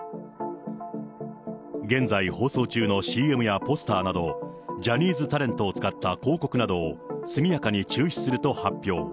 現在放送中のＣＭやポスターなど、ジャニーズタレントを使った広告などを速やかに中止すると発表。